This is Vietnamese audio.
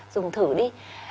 dùng thử đi